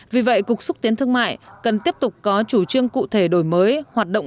vì vậy cục xuất tiến thương mại cần tiếp tục có chủ trương cụ thể đổi mới